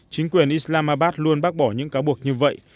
chính quyền islamabad luôn bác bỏ những cáo buộc như vậy